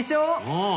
うん。